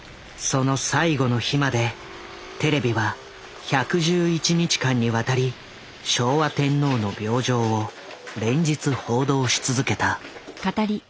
その最後の日までテレビは１１１日間にわたり昭和天皇の病状を連日報道し続けた。